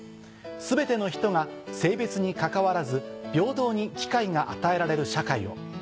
「全ての人が性別にかかわらず平等に機会が与えられる社会を」。